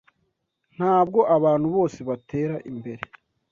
Ntabwo abantu bose batera imbere